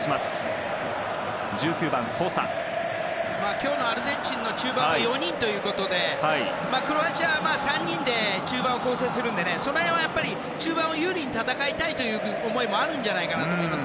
今日のアルゼンチンの中盤４人ということでクロアチアは３人で中盤を構成するのでその辺は中盤を有利に戦いたいという思いもあるんじゃないかと思います。